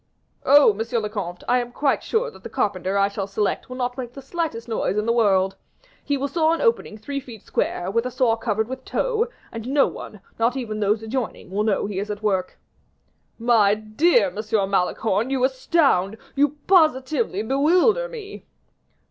"Oh! monsieur le comte, I am quite sure that the carpenter I shall select will not make the slightest noise in the world. He will saw an opening three feet square, with a saw covered with tow, and no one, not even those adjoining, will know that he is at work." "My dear Monsieur Malicorne, you astound, you positively bewilder me."